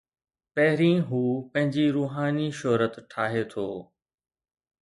پهرين هو پنهنجي روحاني شهرت ٺاهي ٿو.